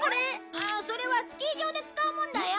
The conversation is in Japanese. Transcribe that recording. ああそれはスキー場で使うもんだよ。